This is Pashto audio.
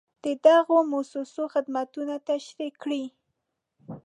د دغو مؤسسو خدمتونه تشریح کړئ.